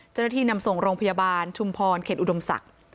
เจ้าหน้าที่นำส่งโรงพยาบาลชุมพรเข็ดอุดมศักดิ์